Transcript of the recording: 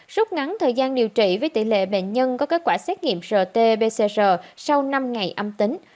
rút ngắn thời gian điều trị với tỷ lệ bệnh nhân có kết quả xét nghiệm rt pcr sau năm ngày âm tính